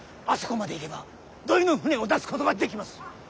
あそこまで行けば土肥の舟を出すことができます。